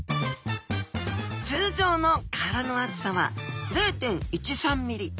通常の殻の厚さは０．１３ｍｍ。